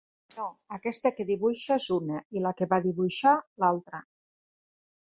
No, aquesta que dibuixa és una i la que va dibuixar, l'altra.